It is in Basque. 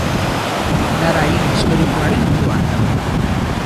Nara hiri historikoaren ondoan dago.